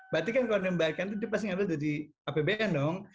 berarti kan kalau dibayarkan itu pasti ngambil dari apbn dong